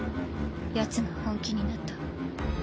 ヤツが本気になった。